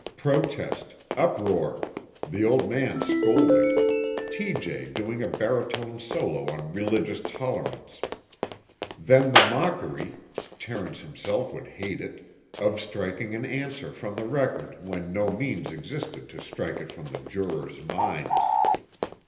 Protest, uproar, the Old Man scolding, T.J. doing a baritone solo on religious tolerance; then the mockery (Terence himself would hate it) of striking an answer from the record when no means existed to strike it from the jurors' minds.